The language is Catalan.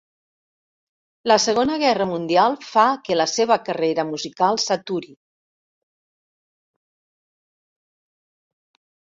La Segona Guerra mundial fa que la seva carrera musical s'aturi.